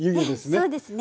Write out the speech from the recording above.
そうですね。